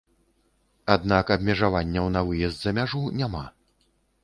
Аднак абмежаванняў на выезд за мяжу няма.